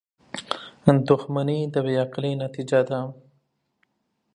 • دښمني د بې عقلۍ نتیجه ده.